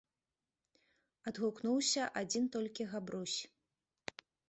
- адгукнуўся адзiн толькi Габрусь.